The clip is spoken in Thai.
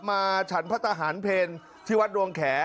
ฉันพระทหารเพลที่วัดดวงแข